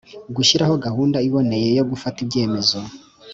Gushyiraho gahunda iboneye yo gufata ibyemezo